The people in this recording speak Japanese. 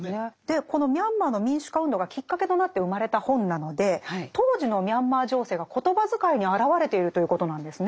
このミャンマーの民主化運動がきっかけとなって生まれた本なので当時のミャンマー情勢が言葉遣いに表れているということなんですね。